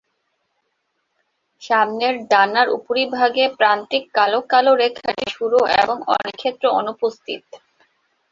সামনের ডানার উপরিভাগে প্রান্তিক কালো কালো রেখাটি সরু এবং অনেকক্ষেত্রে অনুপস্থিত।